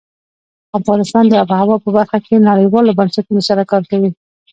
افغانستان د آب وهوا په برخه کې نړیوالو بنسټونو سره کار کوي.